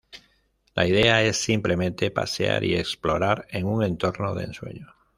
La idea es simplemente pasear y explorar en un entorno de ensueño.